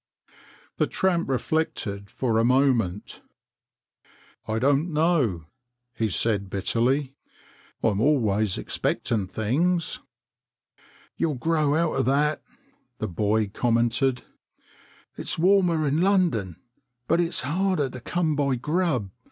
The tramp reflected for a moment. " I don't know," he said bitterly, "I'm always expecting things." " You'll grow out of that," the boy com mented. " It's warmer in London, but it's harder to come by grub.